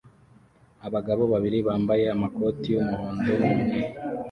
Abagabo babiri bambaye amakoti y'umuhondo n'umwe